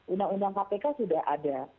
undang undang kpk sudah ada